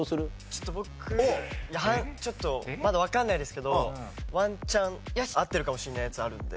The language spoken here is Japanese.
ちょっと僕ちょっとまだわからないですけどワンチャン合ってるかもしれないやつあるんで。